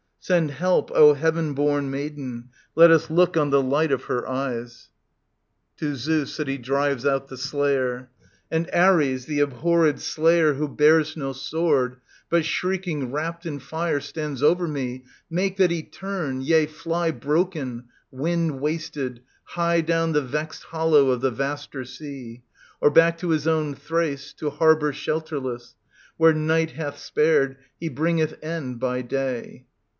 Send help, O heaven born Maiden, Let us look on the light of her eyes I 12 TT. i9o ai7 OEDIPUS, KING OF THEBES [To Zeus, that he drive out the Slayer ^ And Arcs, the abhorred Slayer, who bears no sword, But shrieking, wrapped in fire, stands over me. Make that he turn, yea, fly Broken, wind wasted, high Down the vexed hollow of the Vaster Sea ; Or back to his own Thrace, To harbour shelterless. Where Night hath spared, he bringeth end by day.